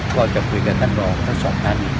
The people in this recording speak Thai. เพื่อจะคุยกันกับทั้งบ่องเราทั้งสองท่าน